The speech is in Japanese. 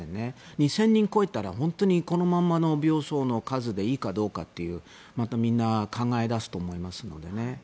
２０００人を超えたら本当にこのままの病床の数でいいかどうかというまたみんな考え出すと思いますけどね。